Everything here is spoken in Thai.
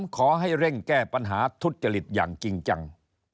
ขอให้เร่งแก้ปัญหาทุจริตอย่างจริงจัง